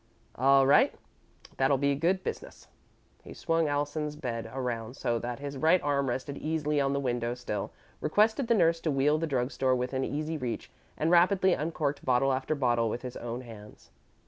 "All right that'll be good business." He swung Allison's bed around so that his right arm rested easily on the window sill, requested the nurse to wheel the drug store within easy reach, and rapidly uncorked bottle after bottle with his own hands.